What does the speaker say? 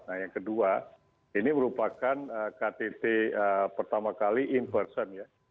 nah yang kedua ini merupakan ktt pertama kali inverson ya